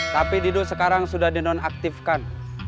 tapi dido sekarang sudah dinonaktifkan